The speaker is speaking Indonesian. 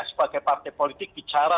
sebagai partai politik bicara